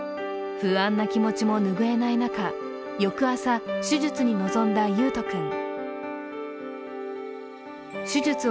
不安な気持ちも拭えない中翌朝手術に臨んだ維斗君を。